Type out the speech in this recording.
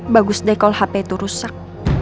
bagus deh kalau hp itu rusak